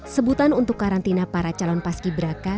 sebutan untuk karantina para calon paski braka